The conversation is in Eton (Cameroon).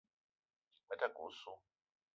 Me ta ke osso.